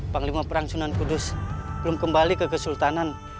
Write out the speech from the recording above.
panglima perang sunan kudus belum kembali ke kesultanan